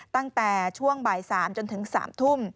ตั้งแต่ช่วงบ่าย๓จนถึง๓ทุ่ม